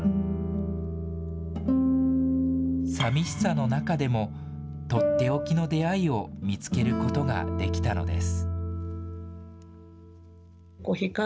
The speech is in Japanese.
さみしさの中でも取って置きの出会いを見つけることができたのです。